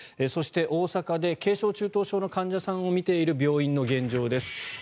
そして、大阪で軽症・中等症の患者さんを診ている病院の現状です。